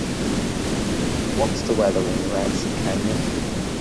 What's the weather in Ransom Canyon?